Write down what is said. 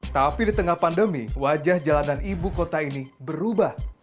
tapi di tengah pandemi wajah jalanan ibu kota ini berubah